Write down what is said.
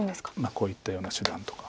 こういったような手段とか。